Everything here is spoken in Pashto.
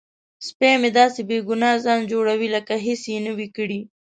سپی مې داسې بې ګناه ځان جوړوي لکه هیڅ یې نه وي کړي.